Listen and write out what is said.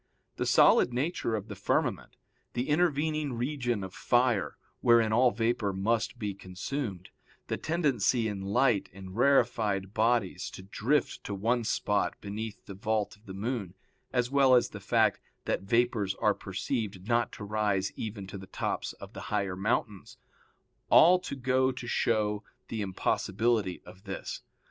The solid nature of the firmament, the intervening region of fire, wherein all vapor must be consumed, the tendency in light and rarefied bodies to drift to one spot beneath the vault of the moon, as well as the fact that vapors are perceived not to rise even to the tops of the higher mountains, all to go to show the impossibility of this.